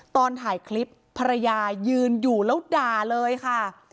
ตอนถ่ายคลิปภรรยายืนอยู่แล้วด่าเลยค่ะ